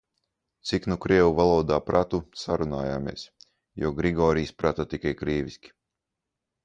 Cik nu krievu valodā pratu, sarunājāmies, jo Grigorijs prata tikai krieviski.